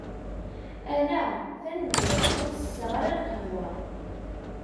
Ala tanemmirt, ur tesseɣ ara lqahwa.